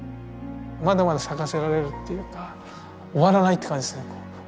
まだまだ咲かせられるっていうか終わらないって感じですよね。